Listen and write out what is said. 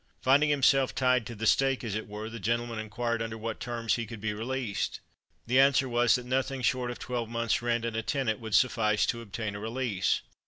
Finding himself tied to the stake, as it were, the gentleman inquired under what terms he could be released? The answer was, that nothing short of twelve months rent and a tenant, would suffice to obtain a release.